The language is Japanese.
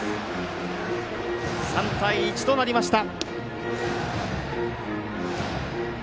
３対１となりました。